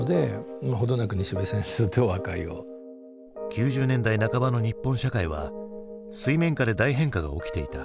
９０年代半ばの日本社会は水面下で大変化が起きていた。